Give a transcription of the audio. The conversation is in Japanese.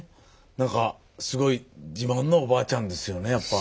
なんかすごい自慢のおばあちゃんですよねやっぱ。